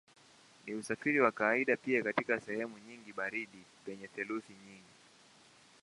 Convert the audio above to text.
Ni usafiri wa kawaida pia katika sehemu nyingine baridi penye theluji nyingi.